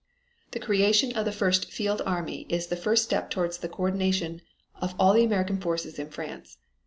"The creation of the first field army is the first step toward the coordination of all the American forces in France.